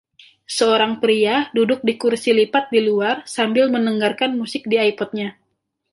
Seorang pria duduk di kursi lipat di luar sambil mendengarkan musik di iPod-nya.